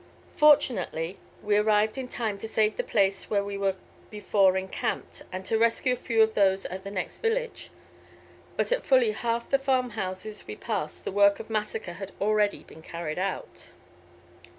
Fortunately we arrived in time to save the place where we were before encamped, and to rescue a few of those at the next village. But at fully half the farmhouses we passed the work of massacre had already been carried out."